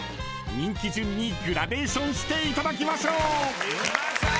［人気順にグラデーションしていただきましょう］